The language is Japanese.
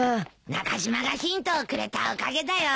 中島がヒントをくれたおかげだよ。